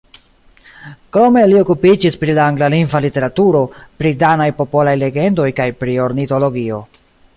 Krome li okupiĝis pri la anglalingva literaturo, pri danaj popolaj legendoj kaj pri ornitologio.